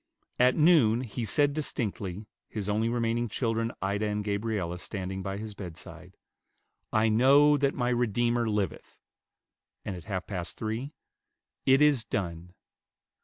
At noon he said distinctly, his only remaining children, Ida and Gabriella, standing by his bedside, "I know that my Redeemer liveth;" and at half past three, "It is done."